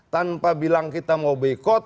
tanpa bilang kita mau bekot